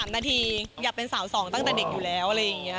๓นาทีอยากเป็นสาว๒ตั้งแต่เด็กอยู่แล้วอะไรอย่างนี้